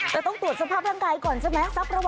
แต่ต้องตรวจสภาพร่างกายก่อนใช่ไหม